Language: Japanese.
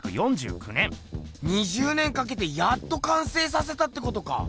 ２０年かけてやっと完成させたってことか。